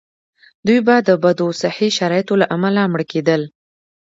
دوی به د بدو صحي شرایطو له امله مړه کېدل.